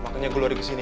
kejar loh kejar